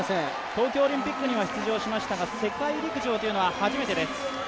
東京オリンピックには出場しましたが、世界陸上は初めてです。